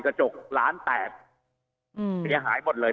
กระจกร้านแตกเสียหายหมดเลย